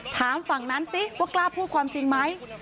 ฝั่งนั้นซิว่ากล้าพูดความจริงไหม